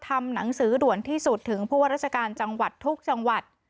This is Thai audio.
ทำหนังสือด่วนที่สุดถึงผู้ว่าราชการจังหวัดทุกจังหวัด